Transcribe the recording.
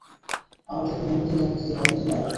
আমার দেখা মহত্তম দম্পতিদের অন্যতম এঁরা।